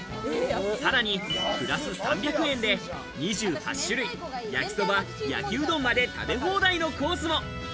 さらにプラス３００円で２８種類、焼きそば、焼きうどんまで食べ放題のコースも。